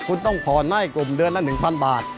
คุณต้องพรให้กลุ่มเดือนน่ะหนึ่งพันบาท